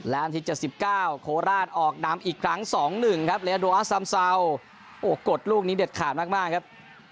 และนาที๗๙โคราชออกน้ำอีกครั้ง๒๑ครับเรนโลอสัมซาวกดลูกนี้เด็ดขาดมากครับ